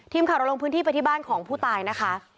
ทีมข่าวเราลงพื้นที่ไปที่บ้านของผู้ตายนะคะ